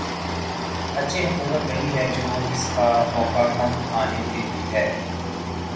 اچھی حکومت وہی ہے جو اس کا موقع کم آنے دیتی ہے۔